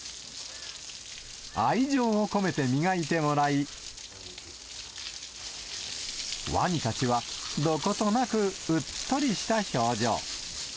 愛情を込めて磨いてもらい、ワニたちはどことなくうっとりした表情。